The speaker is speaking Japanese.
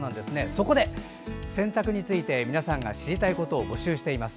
そこで洗濯について、皆さんが知りたいことを募集しています。